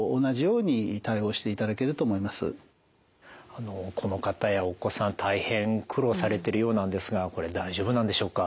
あのこの方やお子さん大変苦労されてるようなんですがこれ大丈夫なんでしょうか？